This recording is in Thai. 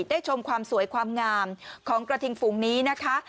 ชมความสวยความงามของกระทิงฝูงนี้นะคะ